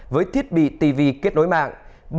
với thiết bị tv kết nối mạng